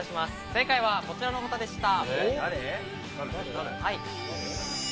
正解は、こちらの方でした。